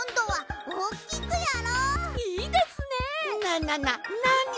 ななななに！？